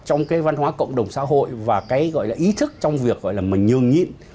trong cái văn hóa cộng đồng xã hội và cái gọi là ý thức trong việc gọi là mà nhường nhịn